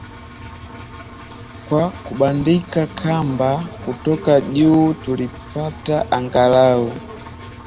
kwa kubandika kamba kutoka juu Tulipata angalau